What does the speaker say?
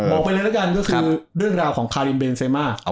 บอกไปเลยละกันก็คือเรื่องราวของคาริมเบนเซมา